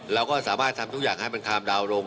เราก็สามารถทำทุกอย่างให้มันคามดาวน์ลง